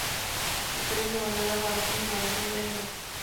د کلیزو منظره د افغانستان د جغرافیې بېلګه ده.